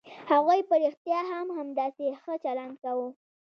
هغوی په رښتيا هم همداسې ښه چلند کاوه.